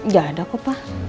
gak ada kok pak